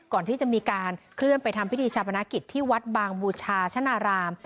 ก่อนที่จะมีการเคลื่อนไปทำพิธีชาปนกิจที่วัดบางบูชาชนาราม